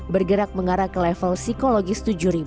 bergerak mengarah ke level psikologis tujuh